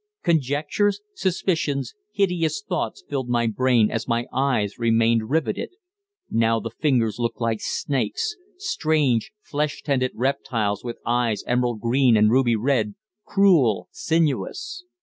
Conjectures, suspicions, hideous thoughts filled my brain as my eyes remained riveted. Now the fingers looked like snakes strange, flesh tinted reptiles with eyes emerald green and ruby red, cruel, sinuous.